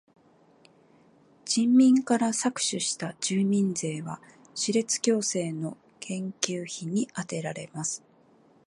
人民から搾取した住民税は歯列矯正の研究費にあてられます。